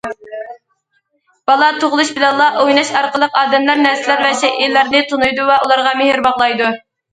بالا تۇغۇلۇش بىلەنلا، ئويناش ئارقىلىق، ئادەملەر، نەرسىلەر ۋە شەيئىلەرنى تونۇيدۇ ۋە ئۇلارغا مېھىر باغلايدۇ.